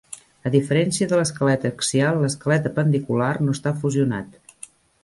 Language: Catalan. A diferència de l'esquelet axial, l'esquelet apendicular no està fusionat.